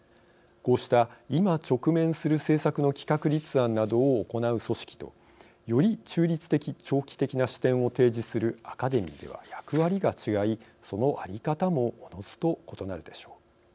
こうした、今、直面する政策の企画立案などを行う組織とより中立的・長期的な視点を提示するアカデミーでは役割が違い、その在り方もおのずと異なるでしょう。